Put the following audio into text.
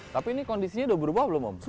tapi ini kondisinya sudah berubah belum om